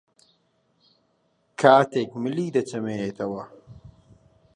کاتێک ملی دەچەمێنێتەوە